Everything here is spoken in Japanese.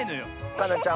かなちゃん